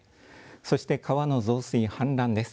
そして川の増水氾濫です。